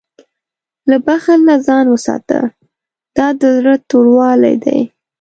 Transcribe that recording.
له بخل نه ځان وساته، دا د زړه توروالی دی.